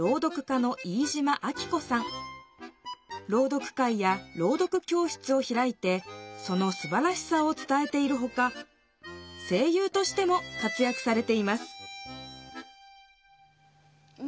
朗読会や朗読教室をひらいてそのすばらしさを伝えているほか声ゆうとしても活やくされています